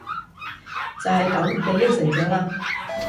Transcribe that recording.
就係噉！你應承咗喇！